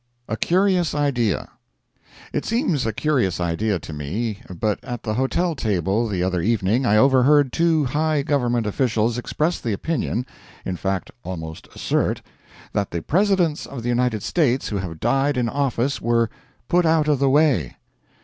A Curious Idea. It seems a curious idea to me, but at the hotel table the other evening I overhead two high Government officials express the opinion—in fact, almost assert—that the Presidents of the United States who have died in office were "put out of the way."